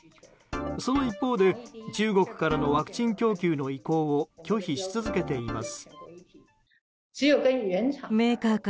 その一方で中国からのワクチン供給の意向を拒否し続けています。